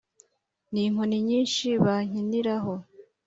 n’inkoni nyinshi bankiniraho